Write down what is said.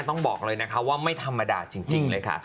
ต้องบอกเลยนะคะว่าไม่ธรรมดาจริงเลยค่ะ